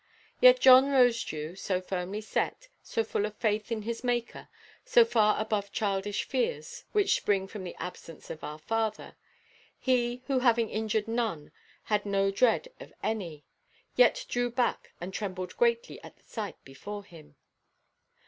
Yet John Rosedew, so firmly set, so full of faith in his Maker, so far above childish fears (which spring from the absence of our Father),—he, who having injured none had no dread of any, yet drew back and trembled greatly at the sight before him.